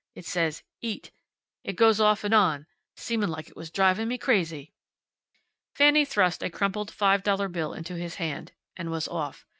It says, `EAT.' It goes off an' on. Seemed like it was drivin' me crazy." Fanny thrust a crumpled five dollar bill into his hand. And was off.